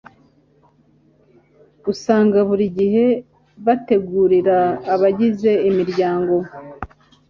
usanga buri gihe bategurira abagize imiryango